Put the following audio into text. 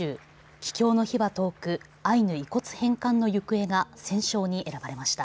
「帰郷の日は遠くアイヌ遺骨返還の行方」が選奨に選ばれました。